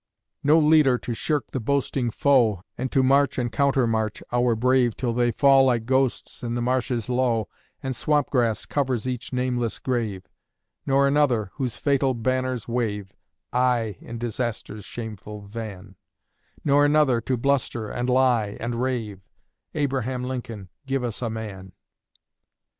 No leader to shirk the boasting foe, And to march and countermarch our brave Till they fall like ghosts in the marshes low, And swamp grass covers each nameless grave; Nor another, whose fatal banners wave Aye in Disaster's shameful van; Nor another, to bluster, and lie, and rave, Abraham Lincoln, give us a MAN!